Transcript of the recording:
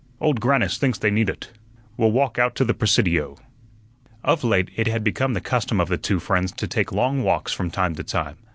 Old Grannis thinks they need ut. We'll walk out to the Presidio." Of late it had become the custom of the two friends to take long walks from time to time.